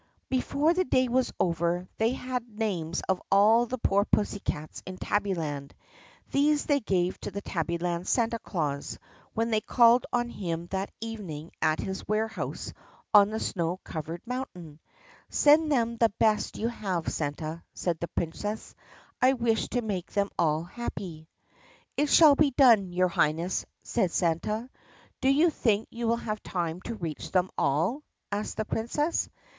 Before the day was over they had the names of all the poor pussycats in Tabbyland. These they gave to the Tabbyland Santa Claus when they called on him that evening at his ware house on the snow covered mountain. "Send them the best you have, Santa," said the Princess. "I wish to make them all happy." THE PUSSYCAT PRINCESS 1 55 "It shall be done, your Highness," said Santa. "Do you think you will have time to reach them all?" asked the Princess.